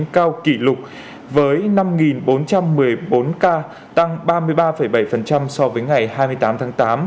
cao kỷ lục với năm bốn trăm một mươi bốn ca tăng ba mươi ba bảy so với ngày hai mươi tám tháng tám